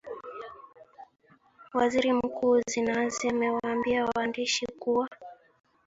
waziri mkuu zenawi amewaambia waandishi kuwa